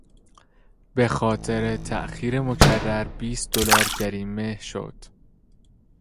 به خاطر تاخیر مکرر بیست دلار جریمه شد.